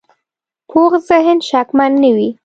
پوخ ذهن شکمن نه وي